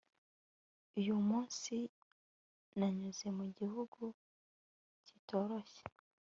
Uyu munsi nanyuze mu gihugu kitoroshye